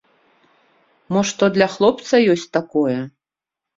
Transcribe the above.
Мо што для хлапца ёсць такое?